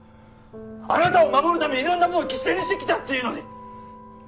あなたを守るためにいろんなものを犠牲にしてきたっていうのに！